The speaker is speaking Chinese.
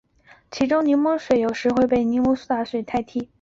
其中柠檬水有时会被柠檬苏打水代替。